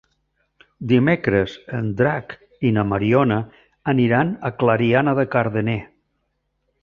Dimecres en Drac i na Mariona aniran a Clariana de Cardener.